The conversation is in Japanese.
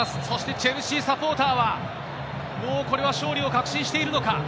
そしてチェルシーサポーターは、これは勝利を確信しているのか。